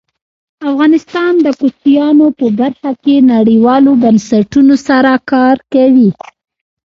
افغانستان د کوچیانو په برخه کې نړیوالو بنسټونو سره کار کوي.